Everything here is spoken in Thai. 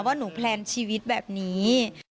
ว่าหนูแพลนชีวิตแบบนี้